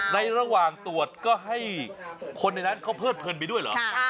ระหว่างตรวจก็ให้คนในนั้นเขาเพิดเพลินไปด้วยเหรอ